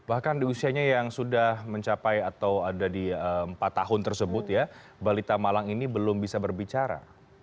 bahkan di usianya yang sudah mencapai atau ada di empat tahun tersebut ya balita malang ini belum bisa berbicara